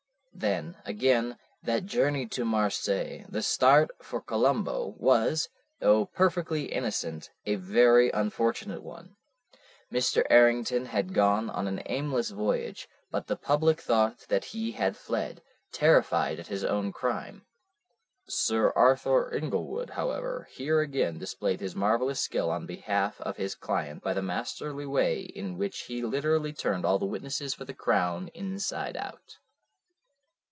"Then, again, that journey to Marseilles, the start for Colombo, was, though perfectly innocent, a very unfortunate one. Mr. Errington had gone on an aimless voyage, but the public thought that he had fled, terrified at his own crime. Sir Arthur Inglewood, however, here again displayed his marvellous skill on behalf of his client by the masterly way in which he literally turned all the witnesses for the Crown inside out.